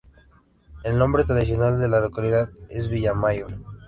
El nombre tradicional de la localidad es Villamayor.